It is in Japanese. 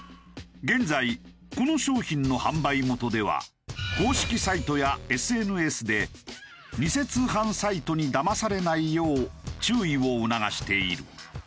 現在この商品の販売元では公式サイトやＳＮＳで偽通販サイトにだまされないよう注意を促している。